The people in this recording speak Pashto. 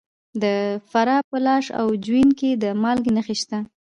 د فراه په لاش او جوین کې د مالګې نښې شته.